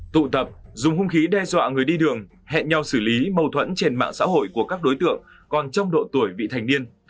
tụ tập dùng hông khí đe dọa người đi đường hẹn nhau xử lý mâu thuẫn trên mạng xã hội của các đối tượng còn trong độ tuổi vị thành niên